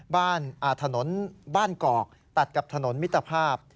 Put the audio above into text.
ถนนบ้านกอกตัดกับถนนมิตรภาพ